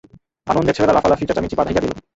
আনন্দে ছেলেরা লফালাফি চেঁচামেচি বাধাইয়া দিল।